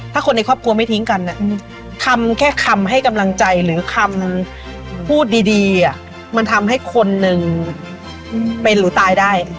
ถ้าคนในครอบครัวไม่ทิ้งกันคำแค่คำให้กำลังใจหรือคำพูดดีมันทำให้คนหนึ่งเป็นหรือตายได้